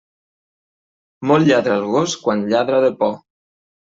Molt lladra el gos quan lladra de por.